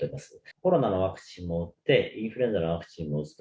コロナのワクチンも打って、インフルエンザのワクチンも打つと。